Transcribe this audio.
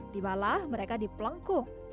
timbalah mereka di pelengkung